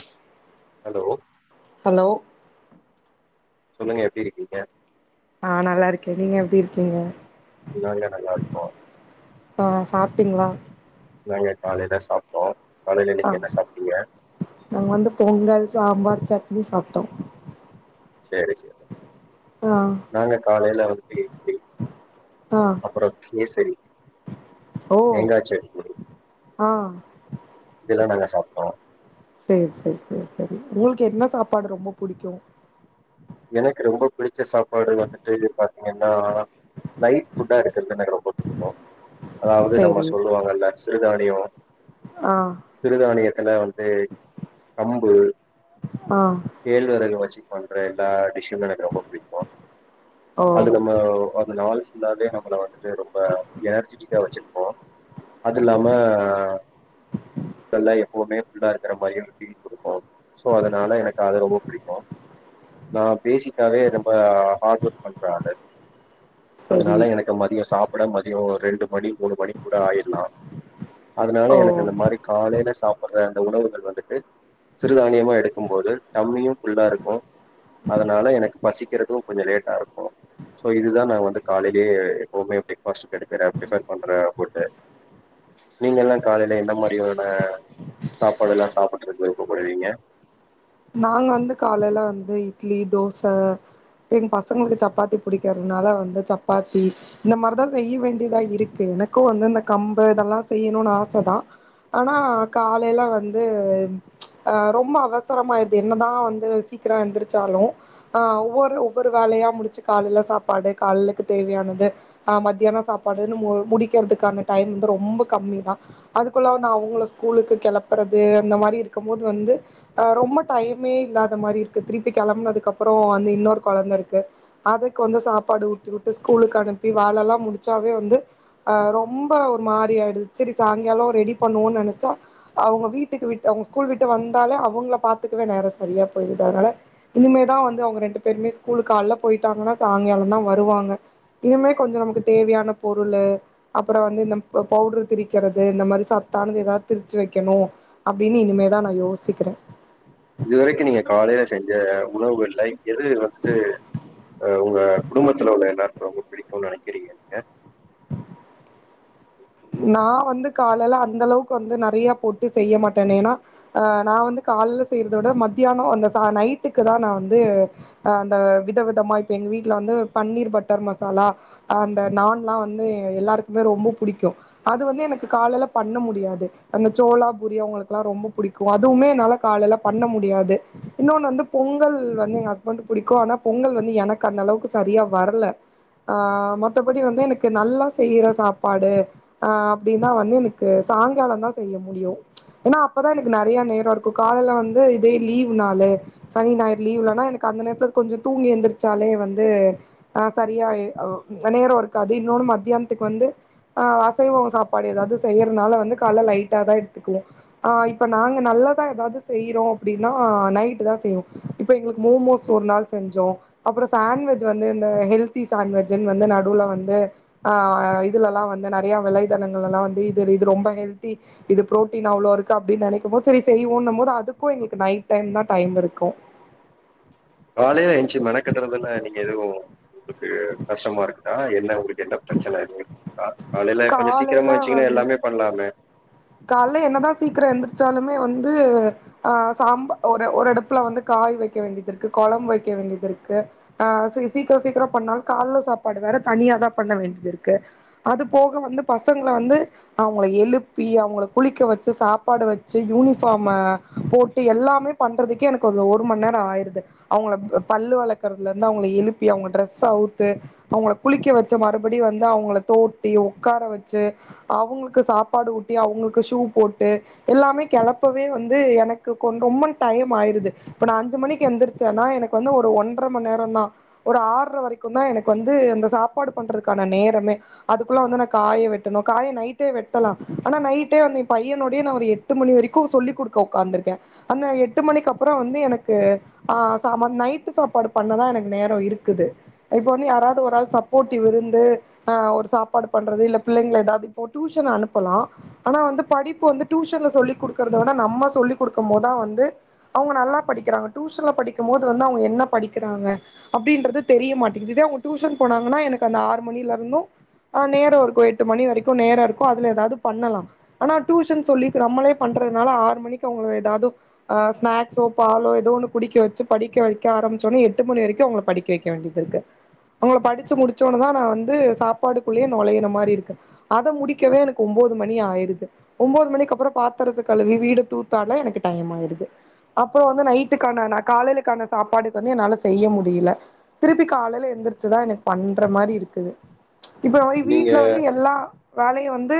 [inaudible] hello hello சொல்லுங்க எப்டி இருக்கீங்க ஆ நல்லா இருக்கேன் நீங்க எப்டி இருக்கீங்க நாங்க நல்லா இருக்கோம் ஆ சாப்படீங்கிளா நாங்க காலேல சாப்பட்டோம் ஆ நாங்க வந்து பொங்கல் சாம்பார் சட் இது சாப்பட்டோம் சேரி சேரி நாங்க காலையில வந்துட்டு ஆ இட்லிஅப்பறம் கேசரி ஓ தேங்கா சட்னி ஆ இதெல்லாம் நாங்க சாப்பட்டோம் செரி செரி செரி செரி உங்களுக்கு என்ன சாப்பாடு ரொம்ப புடிக்கும் எனக்கு ரொம்ப புடிச்ச சாப்பாடு வந்துட்டு பாத்தீங்கன்னா லைட் புட்டா இருக்கிறது எனக்கு ரொம்ப பிடிக்கும் அதாவது நம்ம சேரி சொல்லுவாங்கல்ல சிறுதானியோம் ஆ சிறுதானிய என்ன வந்து கம்பு ஆ கேழ்வரகு வச்சு ஒன்றேன் த பிஷ்மே எனக்கு ரொம்ப புடிக்கும் ஓ அது நம்ம அந்த நாள் ஃபுல்லாவே நம்மள வந்துட்டு ரொம்ப எனர்ஜிட்டிக்கா வச்சிருப்போம் அது இல்லாம பல்ல எப்வுமே ஃபுல்லா இருக்கிற மாரி பீல் குடுக்கும் சோ அதனால எனக்கு அது ரொம்ப பிடிக்கும் நான பேசிக்காவே ரொம்ப ஹார்ட் ஒர்க் பண்றா அலு சேரி அதனால எனக்கு மதியம் சாப்பட மதியோம் ரெண்டு மணி மூணு மணி கூட ஆயிடலாம் அதனால ஓ எனக்கு இந்த மாரி காலையில சாப்ப ற அந்த உணவுகள் வந்துட்டு சிறுதானியமா எடுக்கும் போது டம்மியும் புஃல்லா இருக்கும் அதுனால எனக்கு பசிக்கிறதும் கொஞ்சம் லேட்டா இருக்கும் சோ இதுதான் நான வந்து காலையிலயே எப்பவுமே பிரேக்பாஸ்ட் எடுக்கு பிரிஃபர் பண்றேன் ஃபுட்டு நீங்க எல்லாம் காலையில எனன மாரியான சாப்பாடு எல்லாம் சாப்படறத்துக்கு விருப்படுவீங்க நாங்க வந்து காலையில வந்து இட்லி தோச எங்க பசங்களுக்கு சப்பாத்தி புடிக்கிறதுனால வந்து சப்பாத்தி இந்த மாரிதான் செய்ய வேண்டியதா இருக்கு எனக்கும் வந்து இந்த கம்பு இதெல்லாம் செய்யணும்னு ஆச தான் ஆனா காலையில வந்து ஆ ரொம்ப அவச என்னதான் வந்து சீக்கிரம் எந்திரிச்சாலும் ஆ ஒவ்வொரு ஒவ்வொரு வேலயா முடிச்சு காலேல சாப்பாடு காலேலக்கு தேவயானது அ மத்தியானம் சாப்பாடுன்னு முடிக்கிறதுக்கான டைம் வந்து ரொம்ப கம்மி தான் அதுக்குள்ள வந்து அவங்க ஸ்கூலுக்கு கிளப்புறது அந்த மாரி இருக்கும் போது வந்து அ ரொம்ப டைமே இல்லாத மாரி இருக்கு திருப்பி கிளம்புனதுக்கு அப்பறம் வந்து இன்னொரு கொழந்தை இருக்கு அதுக்கு வந்து சாப்பாடு வுட்டி விட்டு ஸ்கூலுக்கு அனுப்பி வாழ எல்லாம் முடிச்சாவே வந்து அ ரொம்ப ஒரு மாரி ஆயிடுது செரி சாயங்காலம் ரெடி பண்ணுவோம்னு நினைச்சா அவங்க வீட்டுக்கு விட் அவங்க ஸ்கூல் விட்டு வந்தாலே அவ அவங்கள பாத்துக்கவே நேரம் சரியா போயிடுது அதனால இனிமேதான் வந்து அவங்க ரெண்டு பேருமே ஸ்கூலுக்கு கால்ல போயிட்டாங்கன்னா சாயங்காலம் தான் வருவாங்க இனிமே கொஞ்சம் நமக்கு தேவயான பொருளு அப்புறம் வந்து இந்த பவுடரு திரிக்கிறது இந்த மாரி சத்தானது ஏதாவது திரிச்சு வைக்கணும் அப்டின்னு இனிமேதான் நான யோசிக்கிறேன் இதுவரைக்கும் நீங்க காலேல செஞ்ச உறவு இல்லை எது வந்துட்டு அ உங்க குடும்பத்துல உள்ள எல்லாருக்கும் பிடிக்கும் நினைக்கிறீங்க நான வந்து காலேல அந்த அளவுக்கு வந்து நெறைய போட்டு செய்ய மாட்டேன் ஏன்னா ஆ நான வந்து காலல செய்யறத விட மத்தியானம் அந்த ச நைட்டுக்கு தான் நான வந்து அஹ அந்த வித விதமா இப்ப எங்க வீட்டுல வந்து பன்னீர் பட்டர் மசாலா அந்த நான் எல்லாம் வந்து எல்லாருக்குமே ரொம்ப புடிக்கும் அது வந்து எனக்கு காலையில பண்ண முடியாது அந்த சோளா பூரி அவங்களுக்கெல்லாம் ரொம்ப பிடிக்கும் அதுவுமே என்னால காலையில பண்ண முடியாது இன்னொன்னு வந்து பொங்கல் வந்து எங்க ஹஸ்பண்ட் பிடிக்கும் ஆனா பொங்கல் வந்து எனக்கு அந்த அளவுக்கு சரியா வரல ஆஹ் மத்தபடி வந்து எனக்கு நல்லா செய்யற சாப்பாடு ஆஹ் அப்படின்னா வந்து எனக்கு சாயங்காலம் தான் செய்ய முடியும் ஏன்னா அப்பதான் எனக்கு நிறைய நேரம் இருக்கும் காலையில வந்து இதே லீவ்னால சனி ஞாயிறு லீவ்லனா எனக்கு அந்த நேரத்து கொஞ்சம் தூங்கி எந்திரிச்சாலே வந்து அஹ் சரியா நேரம் இருக்கு அது இன்னொன்னு மத்தியானத்துக்கு வந்து ஆஹ் செய்வோம் சாப்பாடு ஏதாவது செய்யறனால வந்து காலை லைட்டா தான் எடுத்துக்குவோம் ஆ இப்போ நாங்க நல்லதா ஏதாவது செய்யறோம் அப்டின்னா நைட் தான் செய்யவோம் இப்ப எங்களுக்கு மோமோஸ் ஒரு நாள் செஞ்சோம் அப்பறம் சாண்ட்வஜ் வந்து இந்த ஹெல்தி சாண்ட்வஜு வ நடுவில் வந்து ஆ இதுலல்லாம் வந்து நெறைய விலைத்தளங்கள் எல்லாம் வந்து இது இது ரொம்ப ஹெல்தி இது ப்ரோட்டீன் அவ்வளவு இருக்கு அப்டின்னு நினைக்கும் போது செரி செரிண்ணும் போது அதுக்கும் எங்களுக்கு நைட் டைம் தான் டைம் இருக்கும் காலையில ஏந்துச்சு மன கட்டுறதுல்ல நீங்க எதுவும் உங்களுக்கு கஷ்டமா இருக்கு ஆ என்ன உங்களுக்கு என்ன பிரச்சன ஆ காலை ல கொஞ்சம் சீக்கிரமா வச்சுங்கன்னா எல்லாமே பண்ணலாமே காலையில என்னதான் சீக்கிரம் எந்திரிச்சாலுமே வந்து ஆஹ் சாம்பா ஒரு ஒரு அடுப்புல வந்து காய் வைக்க வேண்டியது இருக்கு குழம்பு வைக்க வேண்டியது இருக்கு ஆஹ் ச சீக்கிரம் சீக்கிரம் பண்ணாலும் காலையில சாப்பாடு வேற தனியாதான் பண்ண வேண்டியது இருக்கு அது போக வந்து பசங்களை வந்து அவங்கள எழுப்பி ப்பி அவங்கள குளிக்க வச்சு சாப்பாடு வச்சு யூனிஃபார்மை போட்டு எல்லாமே பண்றதுக்கே எனக்கு ஒரு மணி நேரம் ஆயிடுது அவங்கள பல்லு வளர்க்கறல இருந்து அவங்க எழுப்பி அவங்க ட்ரெஸ் அவுத்து அவங்கள குளிக்க வச்ச மறுபடிய வந்து அவங்கள தோட்டி உ்கார வச்சு அவங்களுக்கு சா சாப்பாடு ஊட்டி அவங்களுக்கு ஷூ போட்டு எல்லாமே கிளப்பவே வந்து எனக்கு கொ ரொம்ப டைம் ஆயிிருது இப்ப நான் அஞ்சு மணிக்கு எழுந்திரிச்சேன்னா எனக்கு வந்து ஒரு ஒன்றரை மணி நேரம தான் ஒரு ஆற வரைக்கும் தான் எனக்கு வந்து இந்த சாப்பாடு பண்றதுக்கான நேரமே அதுக்குள்ள வந்து நான் காய வெட்டணும் காய நைட்டே வெ ந பையனோட நான ஒரு எட்டு மணி வரைக்கும் சொல்லிகொடுக்க உக்காந்துருக்கேன் அந்த எட்டு மணிப்பறம் வந்து எனக்கு நை சாப்பாடு பண்ணதான் எனக்கு நேரம் இருக்குது இப்ப வந்து யாராவது ஒருள் சப்போரிவ் இருந்துஹ் ஒரு சாப்பாடு பண்றது இல்ல புள்ளைங்க ஏதாவது இ டியூனு லாம் ஆனா வந்து படிப்பு வந்து டியூசன்ல சொல்லிடுக்கறத விட நம்ம சொல்லி் கொடுக்கும் போதுதான் வந்து அவங்க நல்லா படிக்கிறாங்க டியூஷன்ல படிக்கும் போது வந்து அவங்க என்ன படிக்கிறாங்க அப்படின்றது தெரிய மாட்டேங்குது அவங்க டியூஷன் போனாங்கன்னா எனக்கு அந்த ஆறு மணில இருந்தும்ஹ் நேரம் இருக்கும் எட்டு மணி வரைக்கும் நேரம் இருக்கும் நம்ப ஆனா சொல்லி நம்மளே பண்றதுனாலறு மணக்கு ஏத ப குடிக்க வச்சு படிக்க வைக்க ஆ எணி வரைக்கும் படிக்க வைக்கண்டிய இருக்கு அவ படி முடி நான் வந்து சாப்பாடுக்குள்ளேயே நுழைய மாதிரி அத முடிக்க கக்கவே எனக்கு ஒன்பது மணி ஆயிருது ஒன்பது மணிக்கு அப்புறம் பாத்திரத்து கழுவி வீடு தூத்தாடலாம் எனக்கு டைம் ஆயிருது அப்புறம் வந்து நைட்டுக்கான காலையிலக்கான சாப்பாடுக்கு வந்து என்னால செய்ய முடியல திருப்பி காலையில எழுந்திரிச்சுதான் எனக்கு பண்ற மாதிரி இருக்குது இப்ப மாதிரி நீங்க வீட்டு்ல வந்து எல்லாம் வேலையை வந்து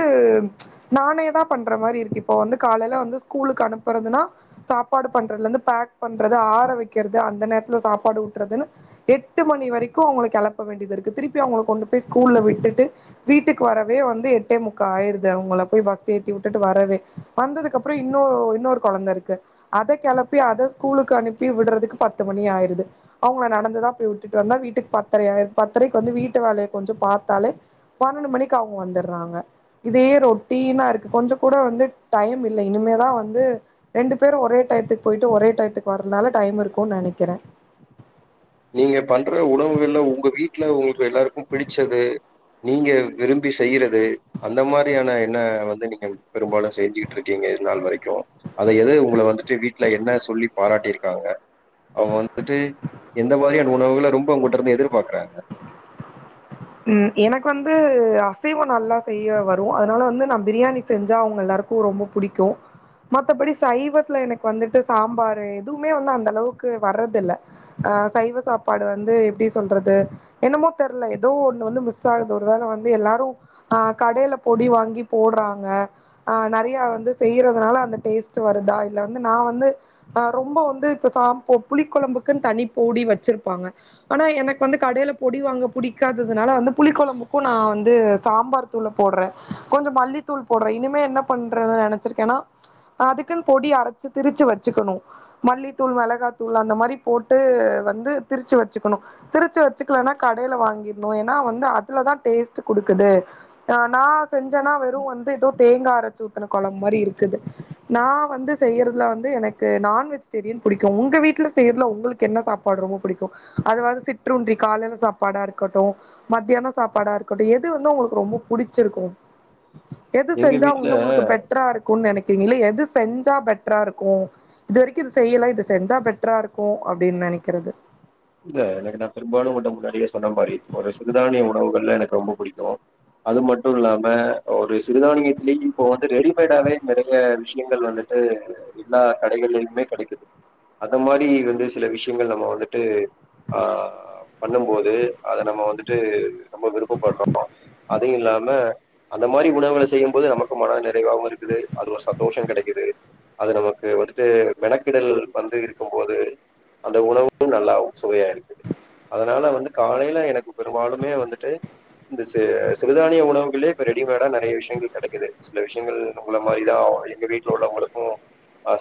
நானே தான் பண்ற மாதிரி இருக்கு இப்போ வந்து காலையில வந்து ஸ்கூலுக்கு அனுப்புறதுனா சாப்பாடு பண்றதுல இருந்து பேக் பண்றது ஆர வைக்கிறது அந்த நேரத்து சாப்பாடு விட்டுறதுன்னு எட்டு மணி வரைக்கும் அவங்களுக்கு களப்ப வேண்டியது இருக்கு திருப்பி அவங்க கொண்டு போய் ஸ்கூல்ல விட்டுட்டு வீட்டுக்கு வரவே வந்து எட்டே முக்க ஆயது அவங்க போய் பஸ் ஏி விட்டுட்டு வரவே வந்ததுக்குப்புறம் இன்ன இன்னொரு குழந்தை இருக்கு அத கிளப்பி அத ஸ்கூலுக்கு அனுப்பி விடுறதுக்கு பத்து மணி ஆயிருது அவங்க நடந்துதான் போய் விட்டுட்டு வந்த வீட்டுக்கு பத்தரைக்கு வந்து வீட்டு வேலையை கொஞ்சம் பார்த்தாலே பன்னெண்டு மணிக்கு அவங்க வ இத ரொட்டனா இருக்கு கொஞ்சம் கூட வந்து டைம் இல்ல இனிமேதான் வந்து ரெண்டு பேரும் ஒரே டயத்துக்கு போயட்டு ஒரே த்துக்கு வர்றதுனால டைம் இருக்கும் நினைக்கிறேன் நீங்க பண்ற உணவுகள்ல உங்க வீட்டுல உங்களுக்கு எல்லாருக்கும் பிடிச்சது நீங்க விரும்பி செய்றது அந்த மாதிரியான என்ன வந்து நீங்க பெரும்பாலும் செஞ்சுகிட்டு இருக்கீங்க இது நாள் வரைக்கும் அத எது உங்களை வந்துட்டு வீட்டு ல என்ன சொல்லி பாராட்டியிருக்காங்க அவங்க வந்துட்டு எந்த மாதிரியான உணவுகளை ரொம்ப உங்க்கிட்ட இருந்து எதிர்பாரக்குறாங்க உம் எனக்கு வந்து அசைவம் நல்லா செய்ய வரும் அதனால வந்து நான் பிரியாணி செஞ்சா அவங்க எல்லாருக்கும் ரொம்ப பிடிக்கும் மத்தபடி சைவத்துல எனக்கு வந்துட்டு சாம்பாரு எதுவுமே வந்து அந்த அளவுக்கு வர்றது இல்ல அஹ் சைவ சாப்பாடு வந்து எப்படி சொல்றது என்னமோ தெரியல ஒ வ மிஸ் ஆகுது ஒரு வேலை வந்து எல்லாரும்ஹ் கடையில பொடி வாங்கி போடுறாங்க ஆஹ நிறைய வந்து செய்யறதுனால அந்த டேஸ்ட் வருதா இல்ல வந்து நான் வந்துஹ ரொம்ப வந்து இப்ப சா புளி குழம்புக்குன்னு தனி பொடி வச்சிருப்பாங்க ஆனா எனக்கு வந்து கடையில பொடி வாங்கிடி னால வந்து புழம்புக்கும் நான் வந்து சாம்பார் தூளை போடுறேன் கொஞ்சம் மல்லித்தூள் போடுறேன் இனிமே என்ன பண்றது நினைச்சிருக்கேன்னா அதுக்குன்னு பொடி அரைச்சு தச்ச வச்சக்கும் மல்லத்தூள் மிளகா தூ அந்த மா போட்டு வந்து தச்ச வச்சும்ச்ச வச்சக்கா கட வா ஏா வந்து அதுலதான் டேஸ் குடுக்குது ஆஹ் நான் செஞ்சேன்னா வெறும் வந்து ஏதோ தேங்காய் அரைச்ச ஊத்தின குழம்ப மாதிரி இருக்குது நான் வந்து செய்யறதுல வந்து எனக்கு நான் வெஜிடேரியன் பிடிக்கும் உங்க வீட்டுல செய்யறதுல உங்களுக்கு என்ன சாப்பாடு ரொம்ப பிடிக்கும் அததுாவது சிற்றுண்டறி காலையில சாப்பாடா இருக்கு இருக்கட்டும் மத்தியான சாப்பாடா இருக்கட்டும் எது வந்து உங்களுக்கு ரொம்ப புடிச்சிருக்கும் எது எங்க செஞ்சா வீட்ல வந்து உங்களுக்கு பெட்டரா இருக்கும் நினைக்கிறீங்கள எது செஞ்சா பெட்டரா இருக்கும் இது வரைக்கும் இது செய்யல இது செஞ்சா பெட்டரா இருக்கும் அப்படின்னு நினைக்கிறது இல்ல எனக்கு நான பெரும்பாலும் உ முன்னாடியே சொன்ன மாரி ஒரு சிறுதானிய உணவுகள்ல எனக்கு ரொம்ப பிடிக்கும் அது மட்டும் இல்லாம ஒரு சிறுதானியத்திலயே இப்போ வந்து ரெடிமேடாவே நெறைய விஷயங்கள் வந்துட்டு எல்லா கடகளிலயுமே கிடைக்குது அந்த மாரி வந்து சில விஷயங்கள் நம்ம வந்துட்டு ஆ பண்ணும்போது அத நம்ம வந்துட்டு ரொம்ப விருப்பப்படுறோமா அதுையும் இல்லாம அந்த மாதிரி உணவுகளை செய்யும்போது நமக்கு மன நிறைவாகவும் இருக்குது அது ஒரு சந்தோஷம் கிடைக்குது அது நமக்கு வந்துட்டு மெனக்கிடல் வந்து இருக்கும் போது அந்த உணவும் நல்லும் சுவையா இருக்குது அதனால வந்து காலையில எனக்கு பெரும்பாலுமே வந்துட்டு இந்த ச சிறுதானிய உணவுகளயே இப்போ ரெடிமேடா நெறைய விஷயங்கள் கெடைக்குது சில விஷயங்கள் உங்களை மாரிதான் எங்க வீட்டில் உள்ளவங்களுக்கும்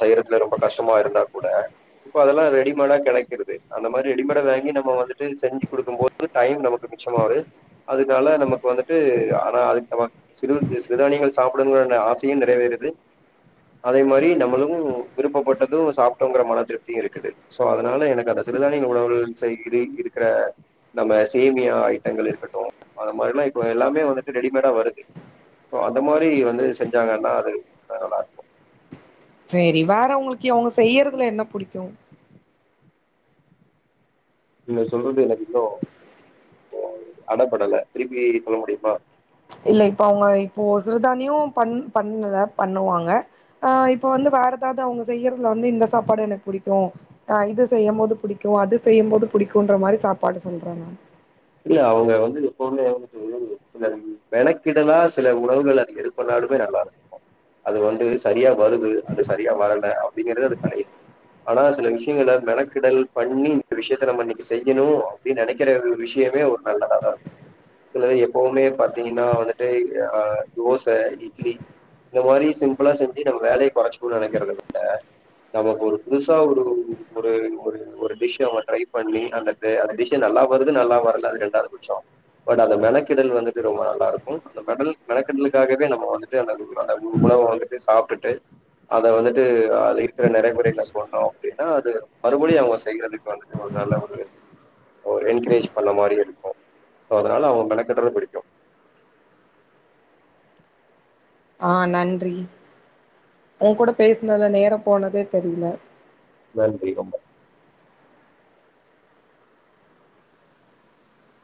செய்யறதுல ரொம்ப கஷ்டமா இருந்தா கூட இப்போ அதெல்லாம் ரெடிமேடாக கெடைக்கது அந்த மாதிரி ரெடிமடை வாங்கி நம்ம வந்துட்டு செஞ்சு கொடுக்கும் போோது டைம் நமக்கு மிச்சமா ஆது அததுனால நமக்கு வந்துட்டு ஆனா அதுக்கு ந சிறு சிறுதானியங்கள் சாப்பிடுங்க ஆசையும் நிறைவேறுது அதே மாதிரி நம்மளும் விருப்பப்பட்டதும் சாப்பிட்டோங்கிற மனதிருப்தியும் இருக்குது சோ அதனால எனக்கு அந்த சிறுதானிய உணவுகள் செய் இருக்கிற நம்ம சேமியா ஐட்டங்கள் இருக்கட்டும் அந்த மாதிரல்லாம் இப்போ எல்லாமே வந்துட்டு ரெடிமேடா வருது சோ அந்த மாதிரி வந்து செஞ்சாங்கன்னா அது ரொடியா நல்லா இருக்கும் சரி வேற அவங்களுக்கு அவங்க செய்யறதுல என்ன புடிக்கும் நீ சொல்றது எனக்கு இன்னும் அடப்படலை திருப்பி சொல்ல முடியுமா இல்ல இப்ப அவங்க இப்போ சிறுதானியும் பண் பண்ணல பண்ணுவாங்க ஆஹ் இப்ப வந்து வேற ஏதாவது அவங்க செய்யறதுல வந்து இந்த சாப்பாடு எனக்கு பிடிக்கும்ஹ் இது செய்யும் போது பிடிக்கும் அது செய்யும்போது புிடிக்குமுன்ற மாதிரி சாப்பாடு சொல்றேன் நான் இல்ல அவங்க வந்து எப்வுமே வந்துட்டு சில மெனக்கிடலா சில உணவுகள் அது எடுப்பனாலுமே நல்லா இருக்கும் அது வந்து சரியா வருது அது சரியா வரல அப்டிங்கிறது அது கடைசது ஆனா சில விஷயங்கள மெனக்கிடல் பண்ணி இந்த விஷயத்த நம்ம இன்னைக்கி செய்யணும் அப்டின்னு நினைக்கிற விஷயம் [inaudible] எப்வுமே பா்த்தீங்கன்னா வந்துட்டு தோசை இட்லி இந்த மாதிரி சிம்பிளா செஞ்சலை குறைச்ச நினைக்க நக்கு ஒரு புதுசா ஒருடிந்த நல்லா வருது நல்ல ரெண்டாவது பட்சம் பட் அந்த மெக்கிடல் வந்து ரொம்ப நல்லா இருக்கும் அந்தக்கலு நம்ம வந்து அ அந்த ஒரு உணவு வந்துட்டு சாப்பி விட்டுட்டு அத வந்துட்டு இருக்குற நரைகுறையெல்லாம் சொன்னோம் அப்படின்னா அது மறுபடிம் அவங்க செய்யறதுக்கு வந்து ஒரு என்கரேஜ் பண்ண மாரி இருக்கும் சோ அதனால அவங்க மெனக்கட்டுறது பிடிக்கும் ஆஹ் நன்றி உங் கூட பேசினதுல நேரம் போனதே தெரில நன்றி ரொம்ப